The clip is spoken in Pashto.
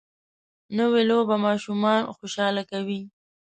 نوې لوبه ماشومان خوشحاله کوي